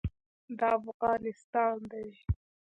دا افغانستان دی.